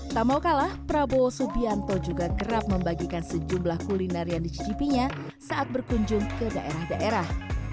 tak mau kalah prabowo subianto juga kerap membagikan sejumlah kuliner yang dicicipinya saat berkunjung ke daerah daerah